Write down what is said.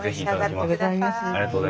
ありがとうございます。